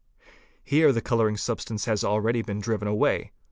Here the colouring substance has already been driven away.